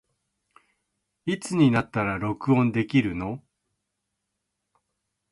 いつになったら録音できるの